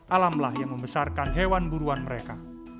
alamlah yang membesarkan hewan buruan mereka